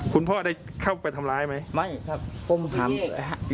เค้าเข้าไปห้ามใช่มั้ย